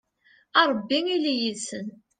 a rebbi ili yid-sen